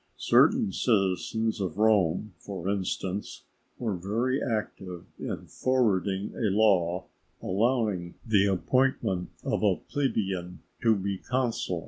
Certain citizens of Rome, for instance, were very active in forwarding a law allowing the appointment of a plebeian to be consul.